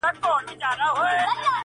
چي ته حال راكړې گرانه زه درځمه